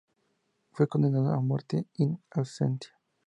Fue condenado a muerte "in absentia".